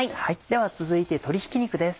では続いて鶏ひき肉です。